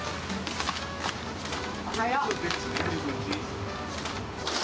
おはよう！